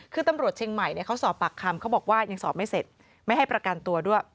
คือตำรวจเชียงใหม่เขาสอบปากคำเขาบอกว่ายังสอบไม่เสร็จไม่ให้ประกันตัวด้วย